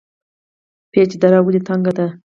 پیج دره ولې تنګه ده؟